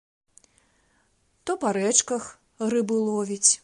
То па рэчках рыбу ловіць.